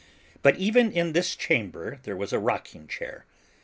But even in this chamber there was a rocking chair.